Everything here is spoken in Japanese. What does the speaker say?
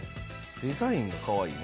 デザインがかわいいね。